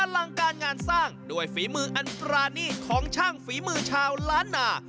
ลังการงานสร้างด้วยฝีมืออันปรานีตของช่างฝีมือชาวล้านนา